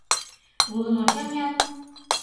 Лудын ончал-ян.